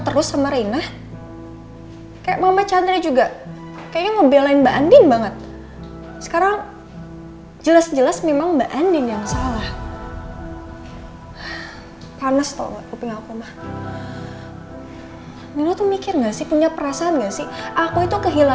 tidak saya mau mandi dulu